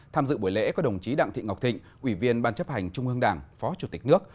tham dự buổi lễ có đồng chí đặng thị ngọc thịnh ủy viên ban chấp hành trung ương đảng phó chủ tịch nước